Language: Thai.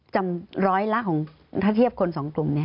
จำร้อยละถ้าเทียบคนสองกลุ่ม